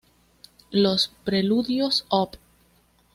Los "Preludios Op.